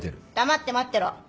黙って待ってろ。